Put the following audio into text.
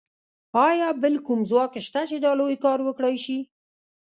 ایا بل کوم ځواک شته چې دا لوی کار وکړای شي